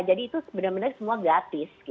jadi itu benar benar semua gratis